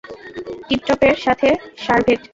টিপটপের সাথে শারভেট।